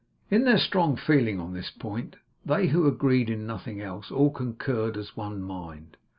In their strong feeling on this point, they, who agreed in nothing else, all concurred as one mind.